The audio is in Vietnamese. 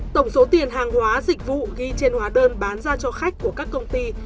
tổng số tiền hàng hóa dịch vụ ghi trên hóa đơn bán ra cho khách của các công ty